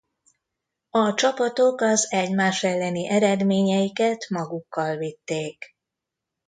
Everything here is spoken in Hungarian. A csapatok az egymás elleni eredményeiket magukkal vitték.